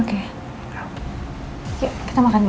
yuk kita makan dulu